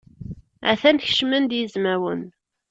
Atan kecmen-d yizmawen.